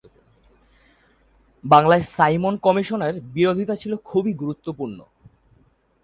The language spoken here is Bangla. বাংলায় সাইমন কমিশনের বিরোধিতা ছিল খুবই গুরুত্বপূর্ণ।